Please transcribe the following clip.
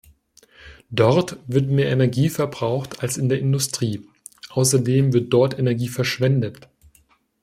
Dort wird mehr Energie verbraucht als in der Industrie, außerdem wird dort Energie verschwendet.